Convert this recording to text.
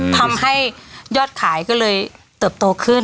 ทำให้ยอดขายก็เลยเติบโตขึ้น